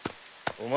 お前。